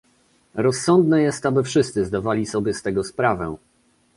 Rozsądne jest, aby wszyscy zdawali sobie z tego sprawę